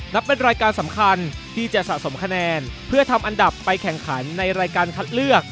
นับเป็นรายการสำคัญที่จะสะสมคะแนนเพื่อทำอันดับไปแข่งขันในรายการคัดเลือก